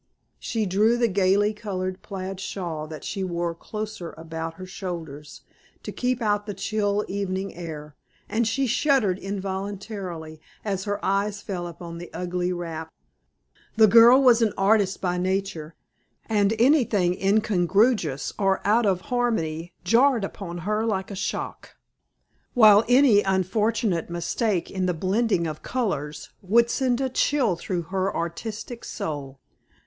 She drew the gayly colored plaid shawl that she wore closer about her shoulders to keep out the chill evening air, and she shuddered involuntarily as her eyes fell upon the ugly wrap. The girl was an artist by nature, and anything incongruous or out of harmony jarred upon her like a shock, while any unfortunate mistake in the blending of colors would send a chill through her artistic soul.